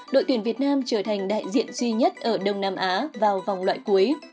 đội tuyển việt nam trở thành đại diện duy nhất ở đông nam á vào vòng loại cuối